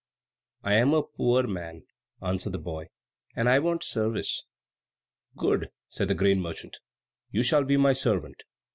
"I am a poor man," answered the boy, "and I want service." "Good," said the grain merchant, "you shall be my servant."